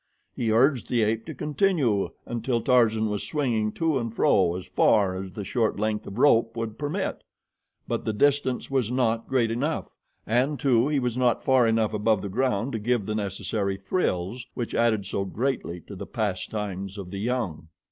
He urged the ape to continue until Tarzan was swinging to and fro as far as the short length of rope would permit, but the distance was not great enough, and, too, he was not far enough above the ground to give the necessary thrills which add so greatly to the pastimes of the young.